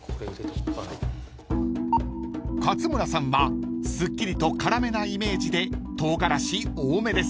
［勝村さんはすっきりと辛めなイメージで唐辛子多めです］